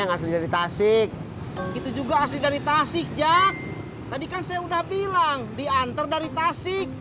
yang asli dari tasik itu juga asli dari tasik jak tadi kan saya udah bilang diantar dari tasik